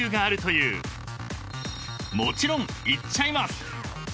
［もちろん行っちゃいます］